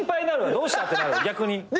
どうした？ってなる逆に。